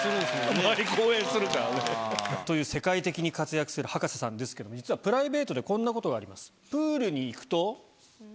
毎公演するからね。という世界的に活躍する葉加瀬さんですけども実はプライベートでこんなことがあります。